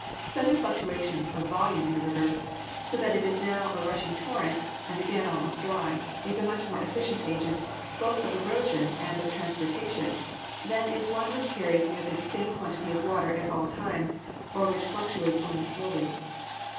Sudden fluctuations of volume in a river, so that it is now a rushing torrent and again almost dry, is a much more efficient agent, both of erosion and of transportation, than is one which carries nearly the same quantity of water at all times or which fluctuates only slowly.